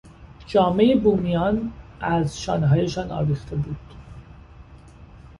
جامهی بومیان از شانههایشان آویخته بود.